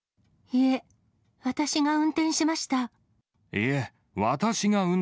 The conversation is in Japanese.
いえ、私が運転しました。